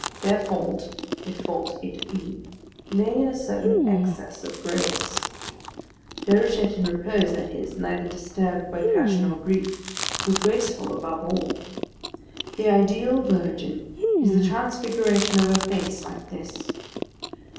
Their fault, if fault it be, lay in a certain excess of grace. Déruchette in repose, that is, neither disturbed by passion or grief, was graceful above all. The ideal virgin is the transfiguration of a face like this.